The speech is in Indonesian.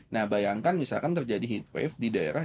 nah bayangkan misalkan terjadi heat wave di daerah